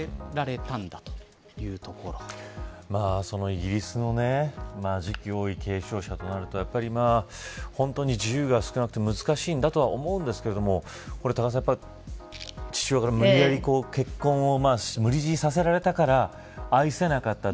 イギリスの時期王位継承者となると本当に自由が少なくて難しいんだとは思うんですけれどもこれ、父親から、無理やり結婚を無理強いさせられたから愛せなかった。